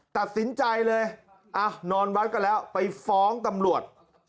ตัดสินใจเลยนอนวัดกันแล้วไปฟ้องตำรวจ